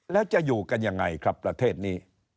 แล้วจะอยู่กันยังไงครับประเทศนี้